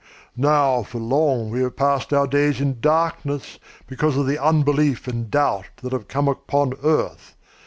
Now, for long we have passed our days in darkness because of the unbelief and doubt that have come upon earth.